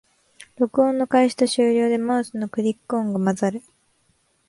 録音の開始と終了でマウスのクリック音が混ざる